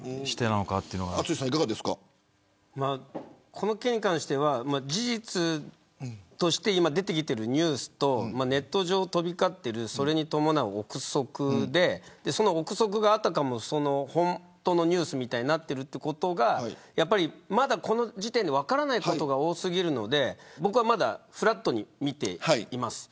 この件に関しては事実として今出てきているニュースとネット上を飛び交っているそれに伴う憶測でそれがあたかも本当のニュースのようになっているということがまだこの時点で分からないことが多過ぎるのでまだフラットに見ています。